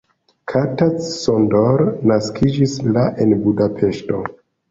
Kata Csondor naskiĝis la en Budapeŝto.